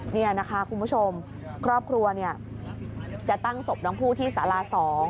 นี่นะคะคุณผู้ชมครอบครัวจะตั้งศพน้องผู้ที่สารา๒